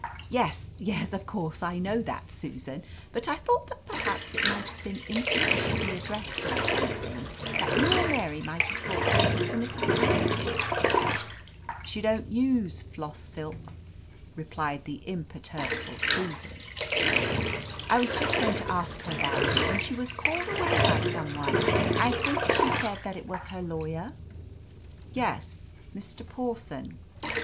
"Yes, yes, of course I know that, Susan. But I thought that perhaps it might have been insufficiently addressed or something that you or Mary might have thought that it was for Mrs. Harrington." "She don't use floss silks," replied the imperturbable Susan. "I was just going to ask her about it, when she was called away by some one. I think she said that it was her lawyer." "Yes, Mr. Pawson."